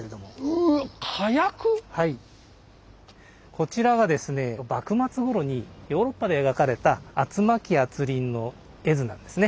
こちらはですね幕末頃にヨーロッパで描かれた圧磨機圧輪の絵図なんですね。